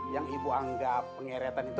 yang ibu anggap pengeretan itu